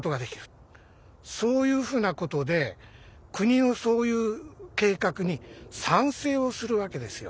そういうふうなことで国のそういう計画に賛成をするわけですよ。